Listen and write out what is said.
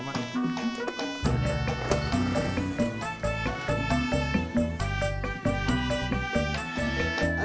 makasih ya bang ya